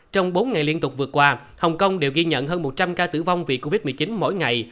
trong bốn ngày liên tục vừa qua hồng kông đều ghi nhận hơn một trăm linh ca tử vong vì covid một mươi chín mỗi ngày